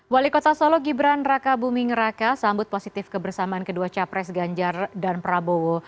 wali kota solo gibran raka buming raka sambut positif kebersamaan kedua capres ganjar dan prabowo